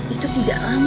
itu tidak lama